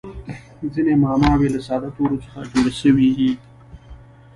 ځیني معماوي له ساده تورو څخه جوړي سوي يي.